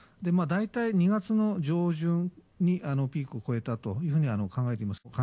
大体２月の上旬に、ピークを越えたというふうに考えています。